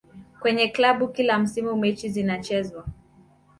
kwenye klabu kila msimu mechi zinachezwa